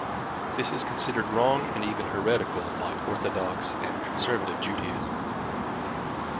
This is considered wrong, and even heretical, by Orthodox and Conservative Judaism.